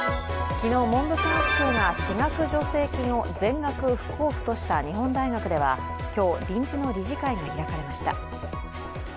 昨日、文部科学省が私学助成金を全額不交付とした日本大学では今日、臨時の理事会が開かれました。